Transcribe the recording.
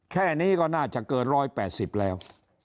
แค่นี้ก็น่าจะเกิน๑๘๐แล้ว